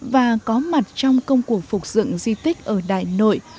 và có mặt trong công cuộc phục dựng di tích ở đại nội